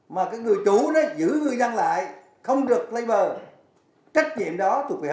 mà cái người chủ nó giữ người dân lại không được lấy bờ